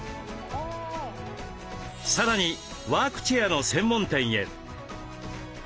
さらにワークチェアの専門店へ。